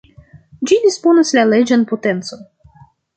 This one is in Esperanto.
Ĝi disponas la leĝan potencon.